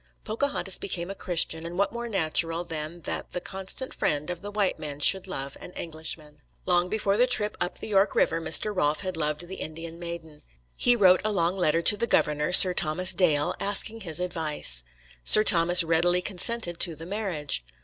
Pocahontas became a Christian, and what more natural than that the constant friend of the white men should love an Englishman? Long before the trip up the York River Mr. Rolfe had loved the Indian maiden. He wrote a long letter to the governor, Sir Thomas Dale, asking his advice. Sir Thomas readily consented to the marriage.